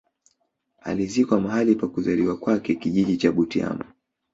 Alizikwa mahali pa kuzaliwa kwake kijiji cha Butiama